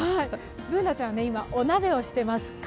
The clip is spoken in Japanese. Ｂｏｏｎａちゃんは今、お鍋をしています。